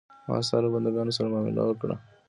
ما ستا له بندګانو سره معامله وکړه.